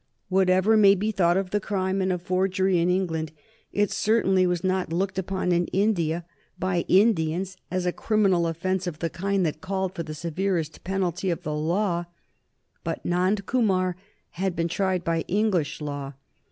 Whatever may be thought of the crime of forgery in England, it certainly was not looked upon in India by Indians as a criminal offence of a kind that called for the severest penalty of the law. But Nand Kumar had been tried by English law.